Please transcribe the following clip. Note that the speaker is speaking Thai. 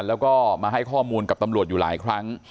แล้วก็มาให้ข้อมูลกับตำรวจอยู่หลายครั้ง